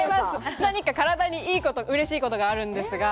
何か体に良いこと嬉しいことがあるんですが。